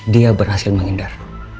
dia berhasil menghindar